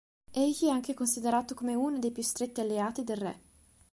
Egli è anche considerato come uno dei più stretti alleati del Re.